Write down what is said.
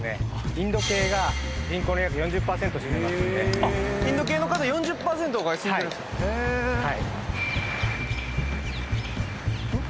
インド系が人口の約４０パーセント占めますのであっインド系の方４０パーセントが住んでるんですかへえーん？